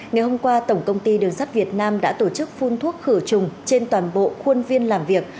ngày hôm qua tổng công ty đường sắt việt nam đã tổ chức phun thuốc khử trùng trên toàn bộ khuôn viên làm việc